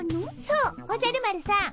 そうおじゃる丸さん。